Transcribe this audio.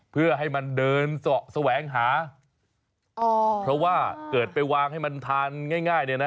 เพื่อให้มันเดินเสาะแสวงหาอ๋อเพราะว่าเกิดไปวางให้มันทานง่ายเนี่ยนะ